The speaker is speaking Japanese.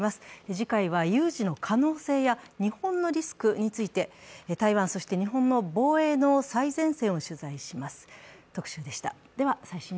次回は、有事の可能性や日本のリスクについて台湾、そして日本の防衛の最前線を取材します。